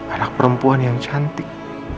anak perempuan yang cantik